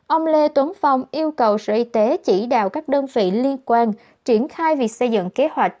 ông lê tuấn phong yêu cầu sở y tế chỉ đạo các đơn vị liên quan triển khai việc xây dựng kế hoạch